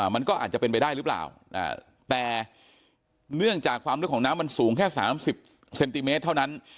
มันก็อาจจะเป็นไปได้หรือเปล่าแต่เนื่องจากความลึกของน้ำมันสูงแค่๓๐เซนติเมตรเท่านั้น